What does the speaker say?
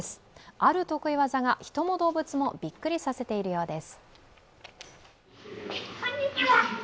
ある得意技が人も動物もびっくりさせているようです。